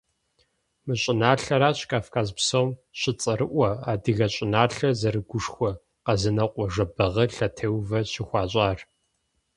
Мы щӏыналъэращ Кавказ псом щыцӏэрыӏуэ, адыгэ щӏыналъэр зэрыгушхуэ Къэзэнокъуэ Жэбагъы лъэтеувэ щыхуащӏар.